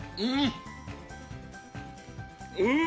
うん！